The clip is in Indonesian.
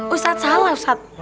ustadz salah ustadz